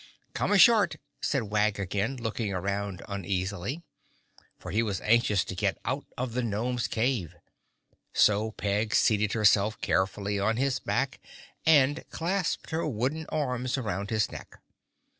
"Come ashort," said Wag again, looking around uneasily, for he was anxious to get out of the gnome's cave. So Peg seated herself carefully on his back and clasped her wooden arms around his neck.